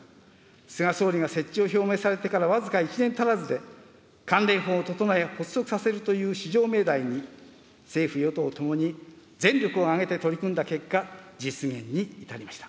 菅総理が設置を表明されてから僅か１年足らずで、関連法を整え、発足させるという至上命題に、政府・与党ともに全力を挙げて取り組んだ結果、実現に至りました。